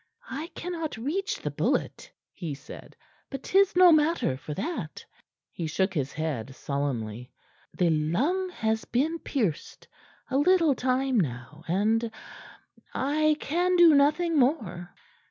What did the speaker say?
"I cannot reach the bullet," he said. "But 'tis no matter for that." He shook his head solemnly. "The lung has been pierced. A little time now, and I can do nothing more."